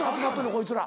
こいつら。